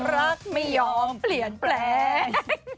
รักไม่ยอมเปลี่ยนแปลง